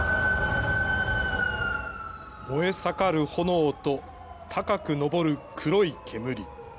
燃え盛る炎と高く上る黒い煙。